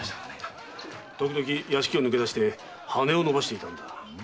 時々屋敷を抜け出して羽を伸ばしていたのだ。